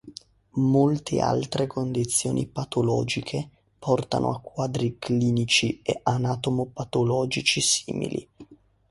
Molte altre condizioni patologiche portano a quadri clinici e anatomo-patologici simili.